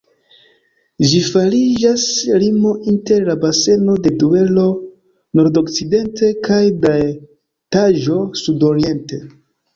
Ĝi fariĝas limo inter la baseno de Duero, nordokcidente, kaj de Taĵo, sudoriente.